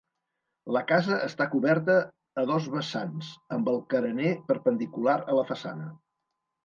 La casa està coberta a dos vessants amb el carener perpendicular a la façana.